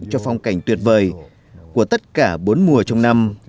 cho phong cảnh tuyệt vời của tất cả bốn mùa trong năm